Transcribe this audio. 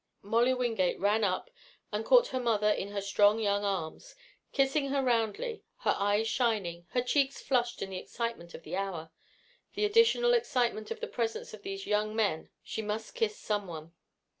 Molly Wingate ran up and caught her mother in her strong young arms, kissing her roundly, her eyes shining, her cheeks flushed in the excitement of the hour, the additional excitement of the presence of these young men. She must kiss someone.